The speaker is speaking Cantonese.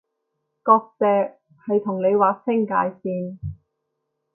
割蓆係同你劃清界線